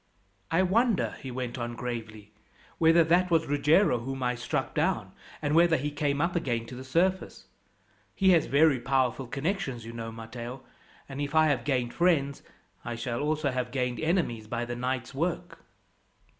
"I wonder," he went on gravely, "whether that was Ruggiero whom I struck down, and whether he came up again to the surface. He has very powerful connections, you know, Matteo; and if I have gained friends, I shall also have gained enemies by the night's work."